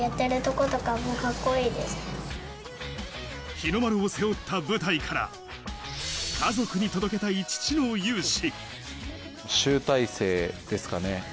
日の丸を背負った舞台から、家族に届けたい父の勇姿。